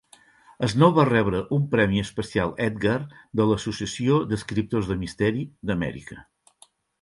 Snow va rebre un premi especial Edgar de l'Associació d'Escriptors de Misteri d'Amèrica.